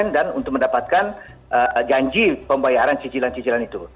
dan untuk mendapatkan janji pembayaran cicilan cicilan itu